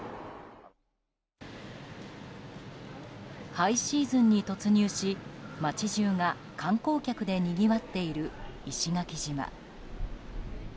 ハイシーズンに突入し街中が観光客でにぎわっている石垣島。